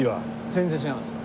全然違います